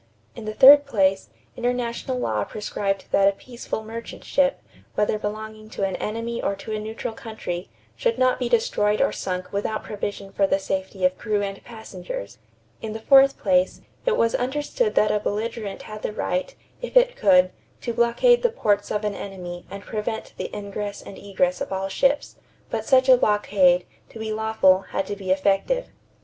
In the third place, international law prescribed that a peaceful merchant ship, whether belonging to an enemy or to a neutral country, should not be destroyed or sunk without provision for the safety of crew and passengers. In the fourth place, it was understood that a belligerent had the right, if it could, to blockade the ports of an enemy and prevent the ingress and egress of all ships; but such a blockade, to be lawful, had to be effective.